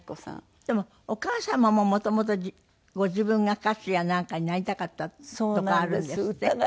でもお母様ももともとご自分が歌手やなんかになりたかったとかあるんですって？